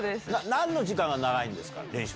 なんの時間が長いんですか？